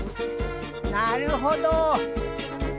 なるほど。